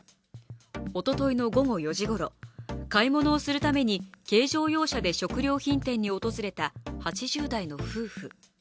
おとといの午後４時ごろ、買い物をするために軽乗用車で食料品店に訪れた８０代の夫婦。